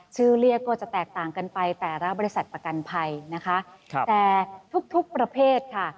ชื่อเรียกก็จะแตกต่างกันไปแต่ละบริษัทประกันภัยนะคะแต่ทุกทุกประเภทค่ะ